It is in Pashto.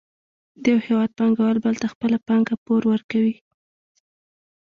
د یو هېواد پانګوال بل ته خپله پانګه پور ورکوي